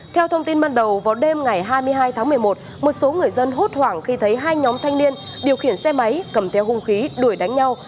theo thông tin ban đầu vào đêm ngày hai mươi hai tháng một mươi một một số người dân hốt hoảng khi thấy hai nhóm thanh niên điều khiển xe máy cầm theo hung khí đuổi đánh nhau